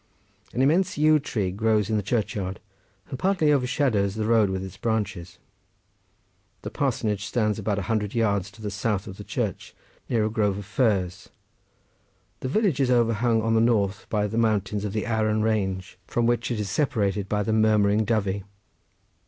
An immense yew tree grows in the churchyard, and partly overshadows the road with its branches. The parsonage stands about a hundred yards to the south near a grove of firs. The village is overhung on the north by the mountains of the Arran range, from which it is separated by the murmuring Dyfi.